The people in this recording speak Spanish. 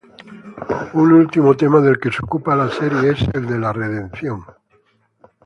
Un último tema del que se ocupa la serie es el de la redención.